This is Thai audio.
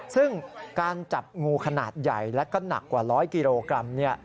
ซึ่งการจับงูขนาดใหญ่และก็หนักกว่า๑๐๐กิโลกรัม